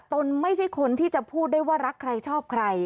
นไม่ใช่คนที่จะพูดได้ว่ารักใครชอบใคร